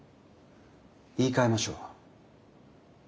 言いかえましょう。